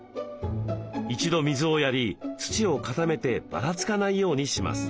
一度水をやり土を固めてばらつかないようにします。